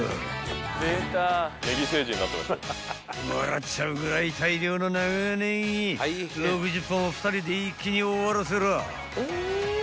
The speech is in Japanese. ［笑っちゃうぐらい大量の長ネギ６０本を２人で一気に終わらせらぁ］